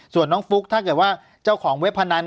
ส่วนน้องฟุ๊กถ้าเกิดว่าเจ้าของเว็บพนัน